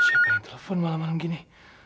siapa yang telepon malam malam gini